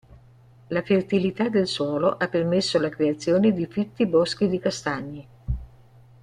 La fertilità del suolo ha permesso la creazione di fitti boschi di castagni.